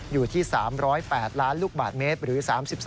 อยู่ที่๓๐๘ล้านลูกบาทเมตรหรือ๓๒